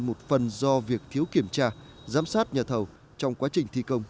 một phần do việc thiếu kiểm tra giám sát nhà thầu trong quá trình thi công